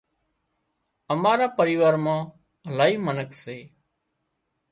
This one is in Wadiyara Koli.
امارا پريوار مان الاهي منک سي